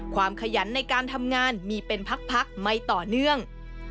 ขยันในการทำงานมีเป็นพักไม่ต่อเนื่อง